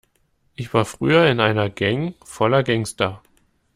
Ich war früher in einer Gang voller Gangster.